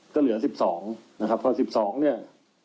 ก็เหลือสิบสองนะครับเพราะสิบสองเนี่ย